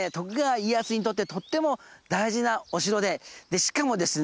しかもですね